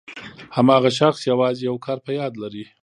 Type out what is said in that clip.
هماغه شخص یوازې یو کار په یاد لري.